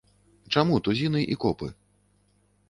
Чаму тузіны і копы?